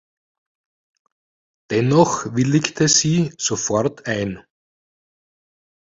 Dennoch willigte sie sofort ein.